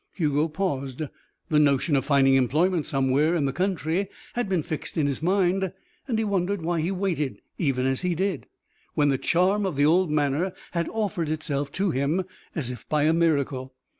Hugo paused. The notion of finding employment somewhere in the country had been fixed in his mind and he wondered why he waited, even as he did, when the charm of the old manor had offered itself to him as if by a miracle.